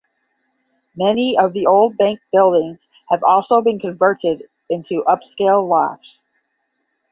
Many of the old bank buildings have also been converted into upscale lofts.